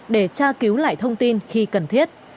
để tra cứu lại thông tin khi cần thiết